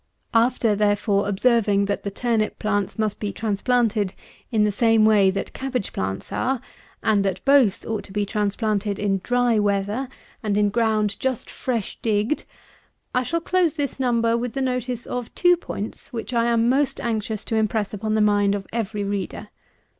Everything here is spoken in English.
After, therefore, observing that the Turnip plants must be transplanted in the same way that Cabbage plants are; and that both ought to be transplanted in dry weather and in ground just fresh digged, I shall close this Number with the notice of two points which I am most anxious to impress upon the mind of every reader.